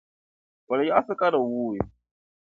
Poli yaɣsi ka di wuui.